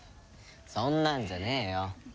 そんなんじゃねえよ。